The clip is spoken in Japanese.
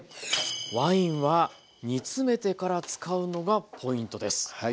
ワインは煮詰めてから使うのがポイントです。